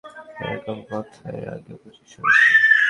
এরকম কথা এর আগেও প্রচুর শুনেছি!